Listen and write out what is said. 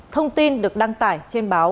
thông tin được đăng tải trên báo